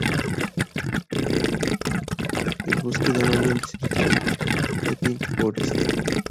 El bosque da nombre al Distrito de Epping Forest.